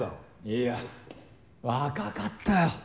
いや若かったよ。